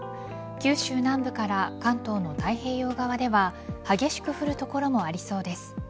九州南部から関東の太平洋側では激しく降る所もありそうです。